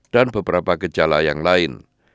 dan beberapa kejala yang lain